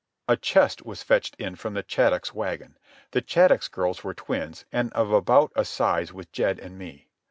A chest was fetched in from the Chattox wagon. The Chattox girls were twins and of about a size with Jed and me.